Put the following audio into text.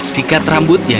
oh itu dia